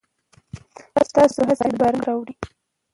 ستاسو هڅې به رنګ راوړي.